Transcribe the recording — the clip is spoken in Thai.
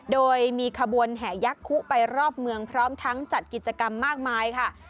โดยมีขบวนแห่ยักษุไปรอบเมืองพร้อมทั้งจัดกิจกรรมมากมายค่ะ